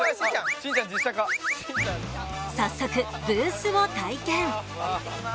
早速ブースを体験。